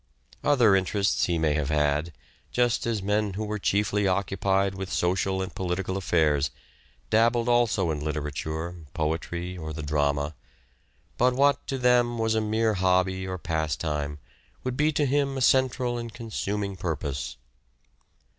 Other interests he may have had, just as men who were chiefly occupied with social and political affairs, dabbled also in literature, poetry, or the drama ; but what to them was a mere hobby or pastime would be to him a central and consuming purpose.